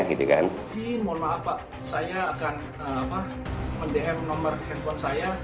jadi mohon maaf pak saya akan mendiam nomor handphone saya